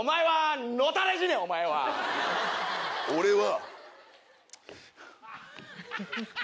俺は。